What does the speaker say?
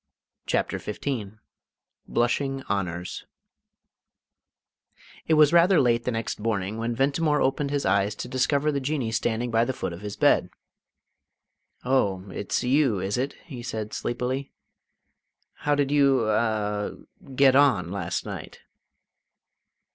CHAPTER XV BLUSHING HONOURS It was rather late the next morning when Ventimore opened his eyes, to discover the Jinnee standing by the foot of his bed. "Oh, it's you, is it?" he said sleepily. "How did you a get on last night?"